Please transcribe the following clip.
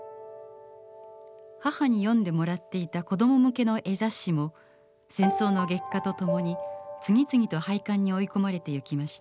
母に読んでもらっていた子ども向けの絵雑誌も戦争の激化と共に次々と廃刊に追い込まれてゆきました。